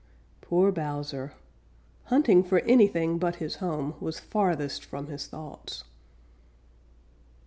Poor Bowser! Hunting for anything but his home was farthest from his thoughts.